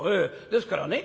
ですからね